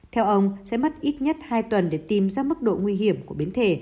theo ông sẽ mất ít nhất hai tuần để tìm ra mức độ nguy hiểm của biến thể